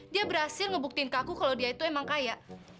dia berhasil ngebuktiin ke aku kalau dia itu emang kaya